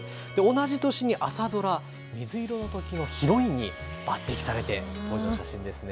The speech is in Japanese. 同じ年に朝ドラ、水色の時のヒロインに抜てきされて、当時の写真ですね。